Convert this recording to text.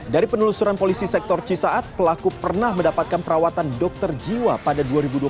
dari penelusuran polisi sektor cisaat pelaku pernah mendapatkan perawatan dokter jiwa pada dua ribu dua puluh